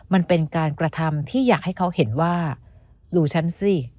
มันเป็นการกระทำที่อยากให้เขาเห็นว่าดูฉันสิ